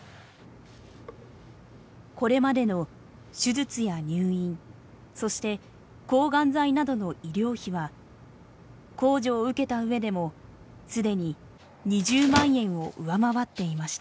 これまでの手術や入院そして抗がん剤などの医療費は控除を受けた上でもすでに２０万円を上回っていました。